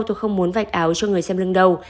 tôi không muốn vạch áo cho người xem lưng đầu